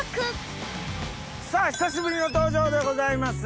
久しぶりの登場でございます